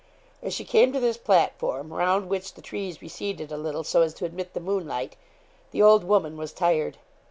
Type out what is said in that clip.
As she came to this platform, round which the trees receded a little so as to admit the moonlight, the old woman was tired.